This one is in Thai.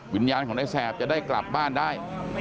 วิญญาณของนายแสบจะได้กลับบ้านได้